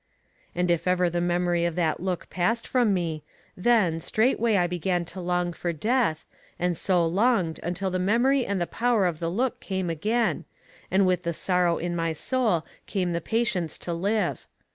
"'... And if ever the memory of that look passed from me, then, straightway I began to long for death, and so longed until the memory and the power of the look came again, and with the sorrow in my soul came the patience to live.